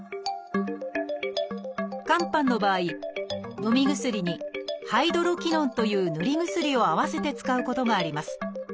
肝斑の場合のみ薬に「ハイドロキノン」という塗り薬を併せて使うことがあります。